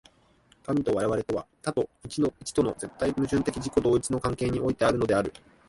神と我々とは、多と一との絶対矛盾的自己同一の関係においてあるのである。